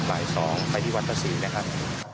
บ่าย๒ไปที่วัดภาษีนะครับ